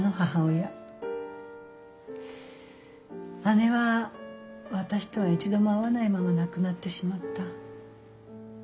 姉は私とは一度も会わないまま亡くなってしまった。